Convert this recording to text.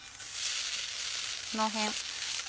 この辺。